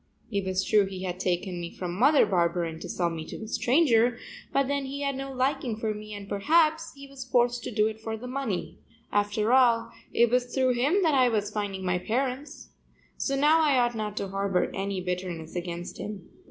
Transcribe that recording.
It was true he had taken me from Mother Barberin to sell me to a stranger, but then he had no liking for me and perhaps he was forced to do it for the money. After all it was through him that I was finding my parents. So now I ought not to harbor any bitterness against him.